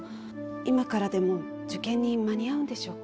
今からでも受験に間に合うんでしょうか。